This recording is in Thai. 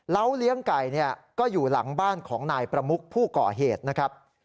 เลี้ยงไก่ก็อยู่หลังบ้านของนายประมุกผู้ก่อเหตุนะครับ